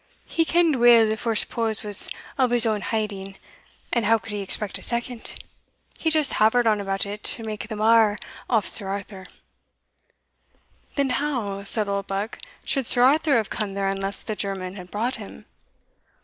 He ken'd weel the first pose was o' his ain hiding, and how could he expect a second? He just havered on about it to make the mair o' Sir Arthur." "Then how," said Oldbuck, "should Sir Arthur have come there unless the German had brought him?"